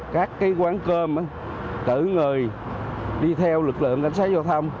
các quán cơm cỡ người đi theo lực lượng cảnh sát giao thông